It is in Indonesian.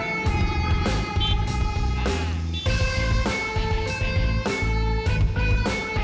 lo fokus pertarungannya aja